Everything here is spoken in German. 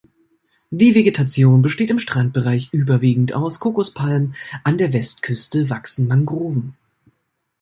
Die Vegetation besteht im Strandbereich überwiegend aus Kokospalmen, an der Westküste wachsen Mangroven.